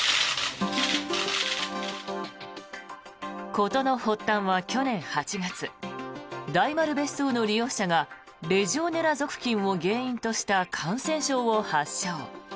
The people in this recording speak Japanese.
事の発端は去年８月大丸別荘の利用者がレジオネラ属菌を原因とした感染症を発症。